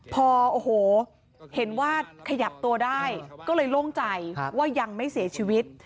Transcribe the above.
พอโอ้โหเห็นว่าขยับตัวได้ก็เลยโล่งใจว่ายังไม่เสียชีวิต